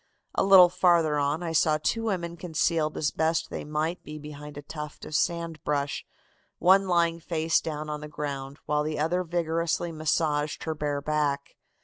A little farther on I saw two women concealed as best they might be behind a tuft of sand brush, one lying face down on the ground, while the other vigorously massaged her bare back.